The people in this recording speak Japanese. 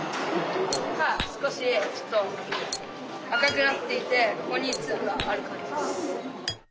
少し赤くなっていてここにツブがある感じです。